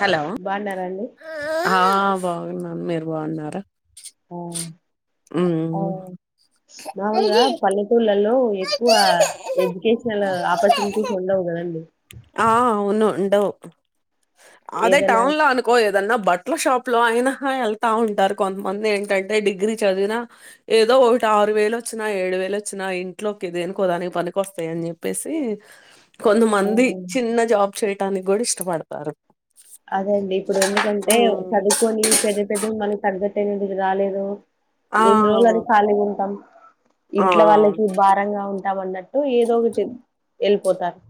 Hello బాగున్నారండి ఆ బాగున్నా మీరు బాగున్నారా ఆ ఆ ఉమ్, మాములుగా పల్లెటూర్లలో ఎక్కువ ఎడ్యుకేషనల్ ఆపర్చునిటీస్ ఉండవు కదండి ఆ అవును ఉండవు అదే ఏదైనా టౌన్ లో అనుకో ఏదన్నా బట్టల షాప్ లో అయినా వెళ్తా ఉంటారు కొంతమంది ఏంటంటే డిగ్రీ చదివినా ఏదో ఒకటి ఆరు వేలు వచ్చినా ఏడు వేలు వచ్చినా ఇంట్లోకి దేనికోదానికి పనికి వస్తాయి అని చెప్పేసి కొంతమంది చిన్న జాబ్ చేయటానికి కూడా ఇష్టపడతారు అదే అండి ఇప్పుడు ఎందుకంటే ఉమ్, చదువుకొని పెద్ద పెద్ద మనకు తగట్టు రాలేదు ఆ ఎన్ని రోజులు అని ఖాళీగా ఉంటాం ఆ ఇంట్లో వాళ్ళకి భారంగా ఉంటామన్నట్టు ఏదో ఒకటి వెళ్ళిపోతారు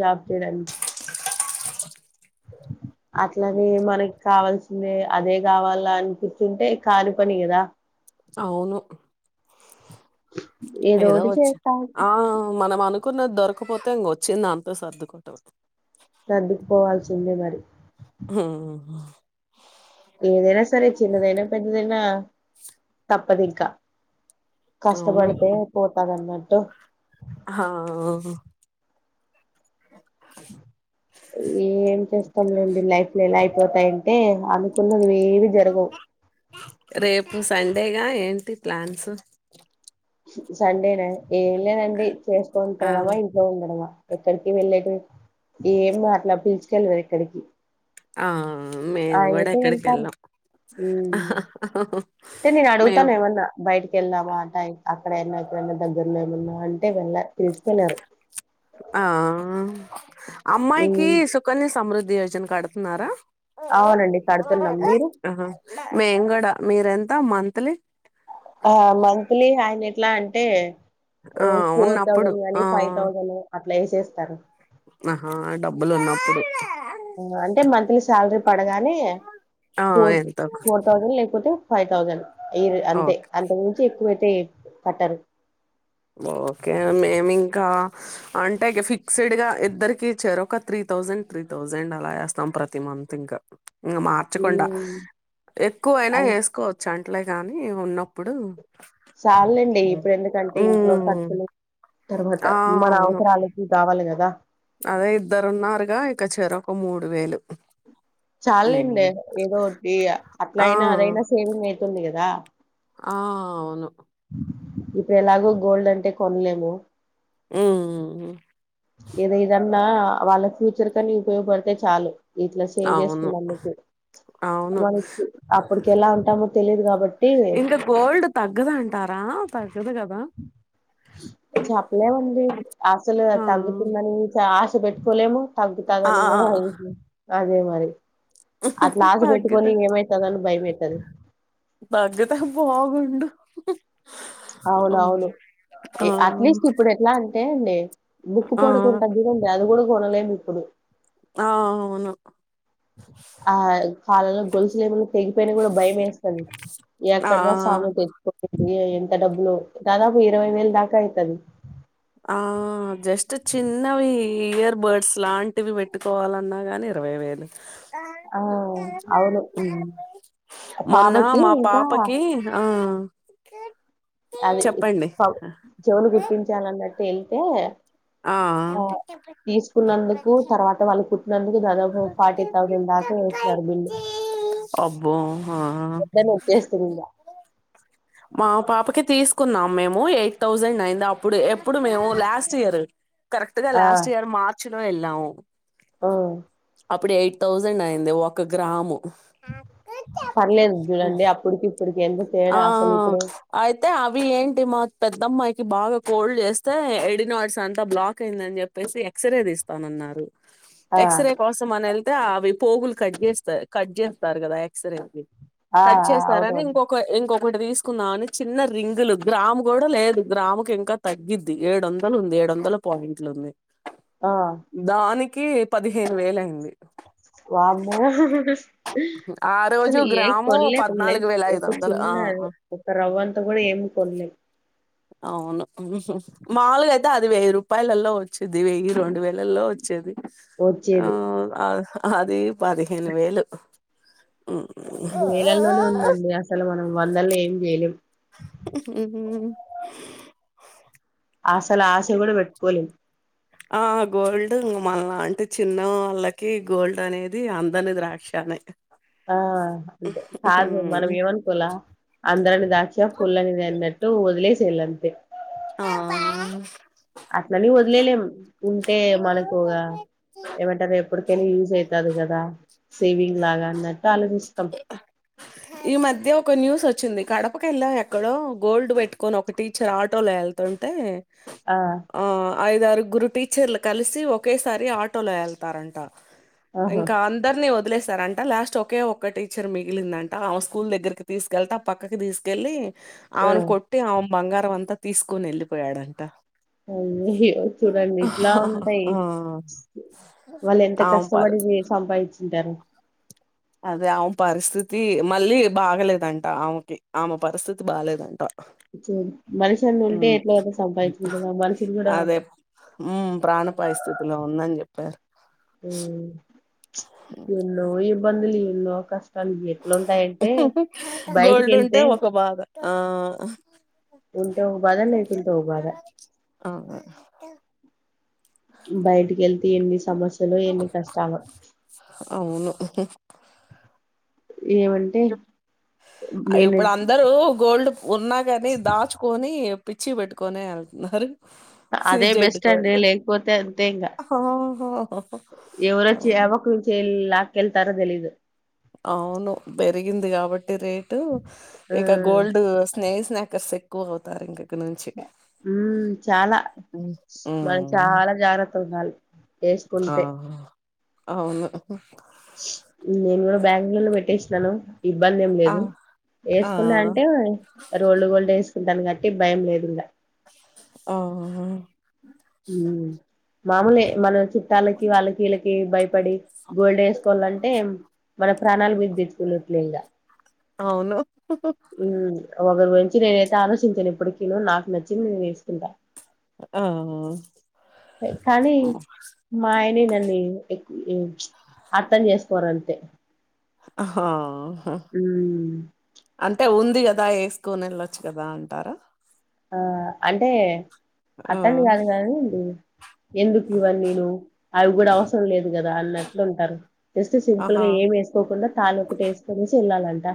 జాబ్ చేయడానికి [inaudible] అట్లనే మనకి కావాల్సిందే అదే కావాలా అని కూర్చుంటే కాని పని కదా అవును ఏదో ఏదోటి వచ్చా చేస్తా ఉంటే ఆ మనం అనుకు అనుకున్నది దొరకపోతే ఇంక వచ్చిం దాంతో సర్దుకోవ సర్దుకుపోవాల్సిందే మరి హా ఏదైనా సరే చిన్నదైనా పెద్దదైనా తప్పదు ఇంకా అవును కష్టపడితే పోతాది అన్నట్టు హా ఏం చేస్తాంలేండి లైఫ్ లో ఎలా అయిపోతాయంటే అనుకున్న వ్వేవి జరగవు రేపు సండేగా ఏంటి ప్లాన్స్ సండేనే ఏం లేనండి చేసుకు ఆ తడమా ఇంట్లో ఉండడమా ఎక్కడికి వెళ్ళేట ఏం అట్లా పిల్చుకెళ్ళరు ఎక్కడికి ఆ ఆ మేము కూడా ఏదో ఎక్కడికి వెళ్తారు వెళ్ళాం తె నేను మేము అడుగుతాను ఏమన్నా బయటకి వెళ్ళావా అక్కడన్న అక్కడ దగ్గలే మ అ అంటే వెళ్ళ పిలుసుకెన్నారు ఆ అమ్మాయికి సుకన్య సమృద్ధి యోజన కడుతున్నారా అవునండి ఆ కడుతున్నాం మీరు మే కూడాడ మీరెంత మంతంత్లీ ఆ మంత్లీ అయన ఎట్లా అంటే ఆ ఓ ఫోర్ ఉన్నప్పుడు థౌసండ్ ఆ నీ ఫైవ్ థౌసండ్ అట్లా వేసేస్తారు ఆహా డబ్బులు ఉన్నప్పుడు అంటే మంత్లీ శాలరీ పడగానే ఆ ఫోర్ ఎంతో ఫోర్ థౌజండ్ లేకపోతే ఫైవ్ థౌజండ్ ఇరు అంతే ఓకే అంత నుంచి ఎక్కువైతే కట్టారు ఓకే మేమి ఇంకా అంటే ఫిక్స్డ్ గా ఇద్దరికి చేరు ఒక త్రీ థౌజండ్ త్రీ థౌజండ్ అలా చేేస్తాం ప్రతి మ అంతంకా ఇకా మార్చకుండా ఎక్కువైనా వేసుకోవచ్చు అట్లే కానీ ఉన్నప్పుడు చాలండి ఉమ్ ఇప్పుడు ఎందుకంటే ఇంట్లో ఉమ్. ఖర్చులు తర్వాత ఆ మన అవును అవసరాలకి కావాలి కదా అదే ఇద్దరు ఉన్నారుగా ఇక చెర ఒక మూడు వేలు చాలండి ఉమ్ ఏదో ఒకటి ఆ అట్లయినా అదైనా సేవింగ్ అయితుంది కదా ఆ అవును ఇప్పుడు ఎలాగూ గోల్డ్ అంటే కొనలేము ఆ ఏదో ఏదన్నా వాళ్ళ ఫ్యూచర్ కని ఉపయోగపడితే చాలు ఇట్లా సేవ్ అవును చేసుకున్నా మీకు అవును మనకి అప్పటికి ఎలా ఉంటామో తెలిదు కాబట్టి ఆ పాగబ కాబా అ చప్పలే మంది అసలు ఆ తగ్గుతుందని ఆశ పెట్టుకోలేము ఆ తగ్గుతదని కూడా అదే మరి అట్లా ఆసి తగ్గితే పెెట్టుకని ఏమైతుద అని భయమవుతుంది తగ్గితే బాగుండు అవునవును ఆ అట్లీస్ట్ ఇప్పుడు ఎట్లా అంటే అండి బుక్కు ఆ పడకుంటందిదండి అది కూడా కొనలే ఇప్పుడు ఆ అవును ఆ కాలలో గొలుసులు ఏమన్నా తెగిపోయినా కూడా భయం వేస్తుంది ఆ ఎక్కడన్నా సామ ద ఏయ ఎంత డబ్బులు దాదాపు ఇరవై వేలు దాకా అవుతుది ఆ జస్ట్ చిన్నవి ఇయర్ బర్డ్స్ లాంటివి పెట్టుకోవాలన్నా ని ఇమేవేను ఆ అవును మొన్న పాపకి మా ఇంకా పాపకి ఆ అది చెప్పండి చెవులు గుర్తించాను అన్నట్టు వెళ్తే ఆ తీసుకున్నందుకు తర్వాత వాళ్ళు కు నందుకు ఫార్టీ థౌసండ్ దాకా జర్ అబ్బో ఆ పెద్దనే వచ్చేస్తుంద మా పాపకి తీసుకున్నాం మేము ఎయిట్ థౌసండ్ అయింది అప్పుడు ఎప్పుడు మేము లాస్ట్ ఇయర్ కరెక్ట్గా ఆ లాస్ట్ ఇయర్ మార్చ లో ఎలా ఉ ఆ అప్పుడు ఎయిట్ థౌజండ్ అయింది ఒక గ్రాము పర్లేదు చూడండి అప్పుడుకి ఇప్పుడుకి ఎంత ఆ తేడా అసలు ఇప్పుడు అయితే అవి ఏంటి మా పెద్దమ్మాయి కి బాగా కోల్డ్ చేస్తే ఎడినాయిడ్స్ అంతా బ్లాక్ అయిందని చెప్పేసి ఎక్స్రే తీస్తానన్నారు ఆ ఎక్సరే కోసం అని ఎల్ తే అవి పోగులు కట్ చేస్తా కట్ చేస్తారు కదా ఎక్సరె కి ఆ కట్ ఆ చేస్తారని అవునవును ఇంకొ ఇంకొకటి తీసుకుందాం అని చిన్న రింగులు గ్రాము కూడా లేదు గ్రాముకి ఇంకా తగ్గిద్ది ఏడు వందలు ఉంది ఏడు వందల పాయింట్లు ఉంది ఆ దానికి పదిహేను వేల అయింది వామ్మో ఆ రోజు అసలు ఏ గ్రాము కొంలేకుండ్లే పద్నాలుగు వేల ఒక ఐదు వందలు చిన్న ఆ ఆ ఒక రవ్వ అంతా కూడా ఏం కొన్లే అవును మాముూలుగా అయితే అది వెయ్యి రూపాయలలో వచ్చేది వెయ్యి రెండు వేలలో వచ్చేది వచ్చేది ఆ అది పదిహేను వేలు హ్మ్. వేలల్లోనే ఉందండి అసలు మనం వందల్లో ఏం జెయలేం [inaudible] అసలు ఆశ కూడా పెట్టుకోలేమ్ ఆ గోల్డ్ ఇంగా మనలాంటి చిన్న వాళ్ళకి గోల్డ్ అనేది అందని ద్రాక్షానే ఆ అంతే కాదు మనం ఏమనుకోలా అంద్రని ద్రాక్షా పుల్లనిదిన్నట్టు వదిలేసేయలంతే ఆ అట్లని వదిలేయలేం ఉంటే మనకి ఓగా ఏమంటారు ఎప్పటికెయినా యూజ్ అయితాది కదా సేవింగ్ లాగా అన్నట్టు ఆలోచిస్తాం ఈ మధ్య ఒక న్యూస్ వచ్చింది కడపకు వెళ్ళాం ఎక్కడో గోల్డ్ పెట్టుకొని ఒక టీచర్ ఆటోలో వేల్త్ తుంటే ఆ ఐదారుగురు టీచర్లు కలిసి ఒకేసారి ఆటోలో వెళ్తారంటా ఆహా ఇంకా అందరిని వదిలేస్తారంట లాస్ట్ ఒకే ఒక టీచర్ మిగిలిందం ట ఆమె స్కూల్ దగ్గరికి తీసుకెళ్తా ఆ పక్కకి తీసుకెళ్ళి ఆ ఆమెను కొట్టి ఆమ్ బంగారం అంతా తీసుకోని వెళ్ళిపోయాడంట అయ్యాయో చూడండి ఇట్లా ఉంటాయి ఆ వాళ్ళు ఎంత ఆమె పరి కష్టపడి సంపాదించింటారో అదే ఆమె పరిస్థితి మళ్ళీ బాగలేదంట ఆమెకి ఆమె పరిస్థితి బాలేదంట చూ మనిషన్న ఉంటే ఉమ్ ఏట్లో గట్ల అయితే సంపాదించుకుంటుంనము మనుషులు కూడా హ్మ్ ప్రాణ పాయ్ స్థితిలో ఉందన్ చెప్ హ్మ్ ఎన్నో ఇబ్బందలు ఎన్నో కష్ బయటికి గోల్డ్ ఉంటే వెళ్తే ఒక బాధ ఆ ఉంటే ఒక బాధ లేకుంటే ఒక బాధ అ బయటికి వెళ్తే ఎన్ని సమస్యలు ఎన్ని కష్టాలో అవును ఏమంటే నేను అవిప్పుడు అందరు గోల్డ్ ఉన్నా కాని దాచుకొని పిచ్చి పెట్టుకొని వెళ్తున్నారు అదే సజెడ్ బెస్ట్ అండి గోల్డ్ ఆ ఎవరొచ్చి యాపక్క నుంచి ఎల్ లాకెళ్తారో తేలిదు అవును పెరిగింది కాబట్టి రేటు ఆ ఇక గోల్డ్ స్నే స్న కస్ ఎక్కువ అవుతారింగ్ హ్మ్ చాలా మనం ఉమ్ చాలా జాగ్రత్తగా ఉండాలి వేకుంటే ఆ అవును నేను కూడా [unintelligible] పెట్టేసినాను ఇబ్బంది ఏం ఆ లేదు ఆ వేసుకున్న అంటే రోల్డ్ గోల్డ్ వేస్ కుంటాను గట్టి భయం లేదు ఇంగా ఆహా ఉ మామూలే మన చుట్టాలకి వాళ్ళకిీళ్ళకి భయపడి గోల్డ్ వేసుకోవాలంటే మన ప్రాణాలు మీద్ తెచ్చుకునట్లే ఇంగా అవును ఉ ఒకరు గుంచి నేనైతే ఆలోచించాను ఏప్పటికీను నాకు నచ్చింది నేను వేసుకుంటా ఆ కానీ మా అయిని నా వి ఏక్ అర్థం చేసుకోరంతే ఆహా హ్ అంటే ఉం ది కదా ఏసుకోని వెళ్ళొచ్చు కదా అంటారా ఆ అంటే ఆ అట్టని కాదు గానీ ఎందుకు ఇవ్వన్నినూ అవి ఇప్పుడు అవసరం లేదు కదా అన్నట్లు ఉంటారు జస్ట్ సింపుల్ ఆహా గా ఏం వేసుకోకుండా తాలోకటి వేసుకోనేసి వెళ్ళాలంట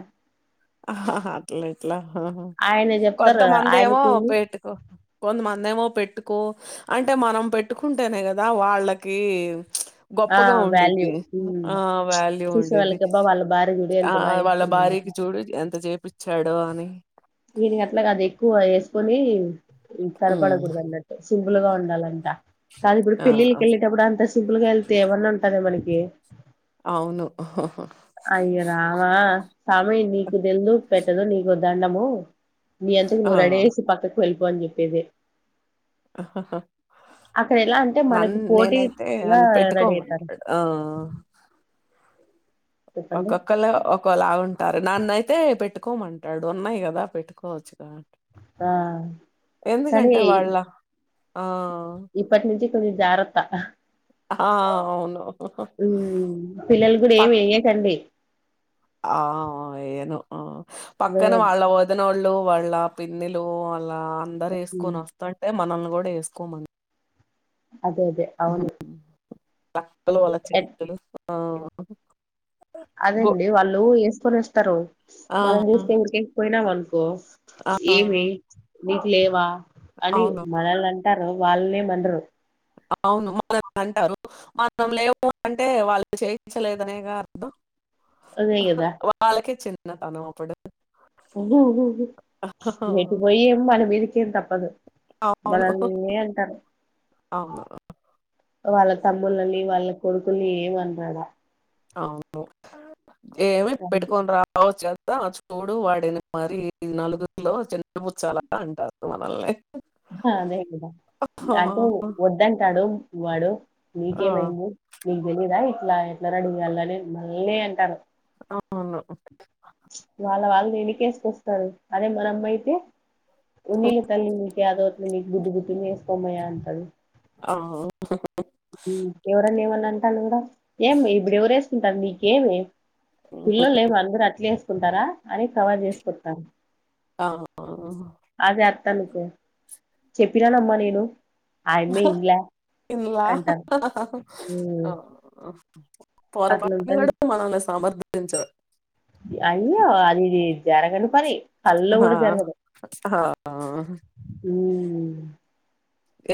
ఆహాహా అట్లేట్లా ఉహు ఆయన చెప్తారు కొంతమంది ఏమో ఆయనకేమి పెట్టుకో కొంతమంది ఏమో పెట్ పెట్టుకో అంటే మనం పెట్టుకుంటేనే కదా వాళ్ళకి ఆ గొప్పగా వాల్యూ ఉండిద్దీ ఆ వాల్యూ చూసే ఉండిద్ది వాళ్ళకి అబ్బా వాళ్ళ భార్య చూడు ఆ ఎంత బాగా వాళ్ళ వేసుకుంది అన్నట్టు భార్యకి చూడు ఎంత చేపిచ్చాడో అని ఇనకి అట్లాగాద్ ఎక్కువ వేసుకొని ఉమ్ తరపడకూడదు అన్నట్టు సింపుల్ గా ఉండాలంటా కాదు ఇప్పుడు ఆ పెళ్ళిళ్ళకి వెళ్ళేటప్పుడు అంత సింపుల్ గా వెళ్తే ఏమన్నా ఉంటాదా మనకి ఏ అవును హు హ్ రామా సామి నీకు తెల్దు పెట్టదు నీకో దండము నీ అంతకు ఆ! నువ్ రెడీ అయ్యేసి పక్కకు వెళ్ళిపో అని చెప్పేది ఆహ్ హ్ అక్కడ ఎలా అంటే నన్న మనకి నేనైతే పోటీగా అన్ రెడీ అయితారు పెట్టుకోమంటాడు ఆ చెప్పండి ఒక్కొక్కలు ఒకలాగుంటారు నన్నుయితే పెట్టుకోమంటాడు ఉన్నాయి కదా పెట్టుకోవచ్చు ద ఆ ఎందుకంటే కానీ వాళ్ళ ఆ ఇప్పటి నుంచి కొంచెం జాగ్రత్త ఆ! అవును. హ్మ్ పిల్లల కూడా ఏం పక్ వెయ్యకండీ ఆ ఆ ఏయ్యాను ఆ పక్కన వేయ వాళ్ళ వాదినోళ్ ళ్ళు వాళ్ళ పిన్నిలు వాళ్ళ అందరు ఏసుకొని వస్తుంటే మనల్ని కూడా వేసుకోమన్ అదే అదే హ్ అవును అక్కలు వాళ్ల ఎట్ చెల్లులు ఆ గొ అదేండి వాళ్ళు వేసుకొని వస్తారు ఆ! మనం చూస్తే వేసుపోయినామ కో ఆ! ఏమి నీకు లేవా అని అవును. మనల్ని అం టారు వాళ్ళనేమనరు అవును మనల్ని అంటారు మనం లేవు అంటే వాళ్ళు చేయించలేదనేగా అర్థం అదే కదా వాళ్ళకే చిన్నతనంప్పుడు ఏటుపోయి ఏం మన మీదికేం తప్పదు అవును. మనల్నే అంటారు అవును. వాళ్ళ తమ్ములని వాళ్ళ కొడుకుల్ని ఏమనర్ ఆడ అవును ఏమే పెట్టుకొని రావోచ్చుకద్ దా చూడు వాడిని మరి నలుగురిలో చిన్నపుుచ్చాలని అంటారు మనల్ని హా అదే గదా ఆ! అంటే వద్దంటాడు వాడు ఆ! మీకేమైంది మీకు తెలీయదా ఏ ఇలా ఎట్లా రెడీ చేయాలని నేనే అంటారు అవును వాళ్ళ వాళ్ళనీ ఎనుకెసుకొస్తారు అదే మన అమ్మ అయితే ఉన్నీ తల్లిని అదోట్లూ మీకు బుద్ధు బుద్ధని వేకోమయా అంటాడు ఆ మ్మ్ ఎవరన్న ఏమన్న అంటండ్రు గా ఏం ఇప్పుడు ఎవ్వరు ఏసుకుంటారు నీకేమీ హుహు. పిల్లొల్లు ఏం అందరు అట్లేసుకుంటారా అని కవర్ చేసుకుంటంది అవును తనుకు చెప్పినానమ్మా నేను అయమ్మే ఇన్ల్య ఇలా అంటా మ్మ్ ఆ! అట్ల పొరపాటున ఉంటది కూడా మనల్ని సమర్థించరు. అయ్యో అది జరగని పని కల్లో ఆ! కూడా జరగదు ఆ మ్మ్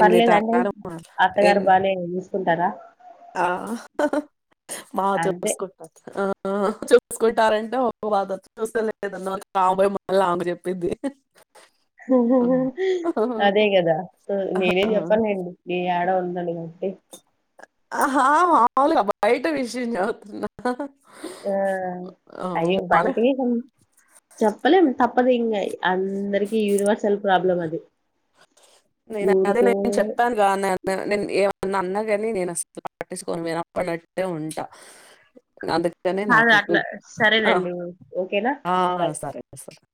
ఎన్ని తరాలు మా అత్తగారు ఎన్ బానే చూసుకుంటారా ఆ మా అత్త [unintelligible] అంతే. చూసుకుంటున్నారు ఆ ఆ చూసుకుంటారంటే ఓ బాధ చూసుకోలేదన్న రాబోయి మళ్ళ అమె చెప్పింది అదే కదా నేనేం చెప్పనులేండి యాడ ఉండదు లే అంటే హా మావలే బాయట విషయం చా [unintelligible] తున్న ఆ అయ్యో మన బయటికి చెప్పలేం తప్పదు ఇంగ అందరికి యూనివర్సల్ ప్రాబ్లం అది నేను అదే ఎవరికో నేను చెప్పాను గా [unintelligible] నేను ఏం నన్ను అన్న గాని నేను అసలు పట్టించుకొను వినప్పడనట్టే ఉంటా అందు కనే కాదు నాకు ఎక్కువ అట్లా ఆ సరేనండి. ఓకేనా? ఆ బై. సరే సరే